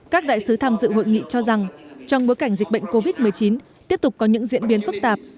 các đại sứ tham dự hội nghị cho rằng trong bối cảnh dịch bệnh covid một mươi chín tiếp tục có những diễn biến phức tạp